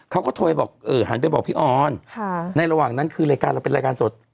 เขาก็โทรไปบอกหันไปบอกพี่ออนในระหว่างนั้นคือรายการเราเป็นรายการสด